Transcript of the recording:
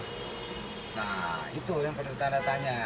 nah itu yang penting tanda tanya